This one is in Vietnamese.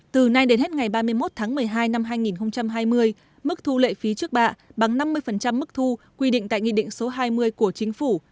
từ nay đến hết ngày ba mươi một tháng một mươi hai năm hai nghìn hai mươi mức thu lệ phí trước bạ bằng năm mươi mức thu quy định tại nghị định số hai mươi của chính phủ